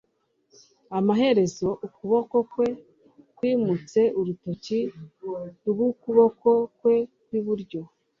amaherezo, ukuboko kwe kwimutse, urutoki rw'ukuboko kwe kw'iburyo